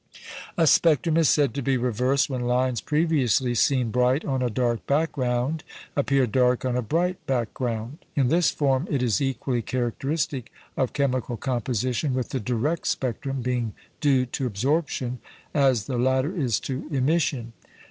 A spectrum is said to be "reversed" when lines previously seen bright on a dark background appear dark on a bright background. In this form it is equally characteristic of chemical composition with the "direct" spectrum, being due to absorption, as the latter is to emission.